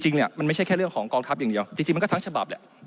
เนี่ยมันไม่ใช่แค่เรื่องของกองทัพอย่างเดียวจริงมันก็ทั้งฉบับแหละ